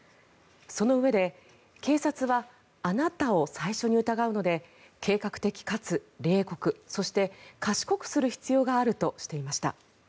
そのうえで警察はあなたを最初に疑うので計画的かつ冷酷そして賢くする必要があるとしていました。